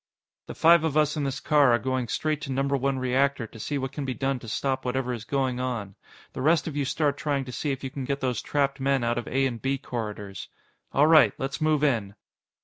"The five of us in this car are going straight to Number One Reactor to see what can be done to stop whatever is going on. The rest of you start trying to see if you can get those trapped men out of A and B corridors. All right, let's move in."